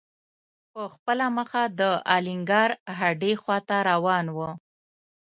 په خپله مخه د الینګار هډې خواته روان و.